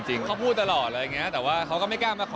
จริงหรอทำไรอะทำไรยัง